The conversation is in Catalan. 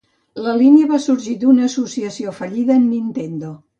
La línia va sorgir d'una associació fallida amb Nintendo.